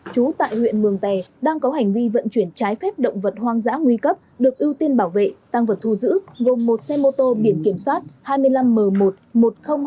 chú tại huyện mường tè đang có hành vi vận chuyển trái phép động vật hoang dã nguy cấp được ưu tiên bảo vệ tăng vật thu giữ gồm một xe mô tô biển kiểm soát hai mươi năm m một một mươi nghìn hai trăm năm mươi ba